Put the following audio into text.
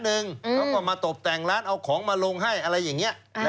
หนึ่งเขาก็มาตบแต่งร้านเอาของมาลงให้อะไรอย่างเงี้ยอ่า